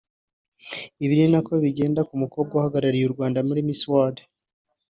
Ibi ni nako bigenda ku mukobwa uhagararira u Rwanda muri Miss World